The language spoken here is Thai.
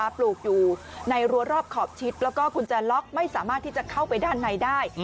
ปลูกอยู่ในรัวรอบขอบชิดแล้วก็กุญแจล็อกไม่สามารถที่จะเข้าไปด้านในได้